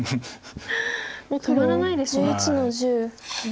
もう止まらないですね。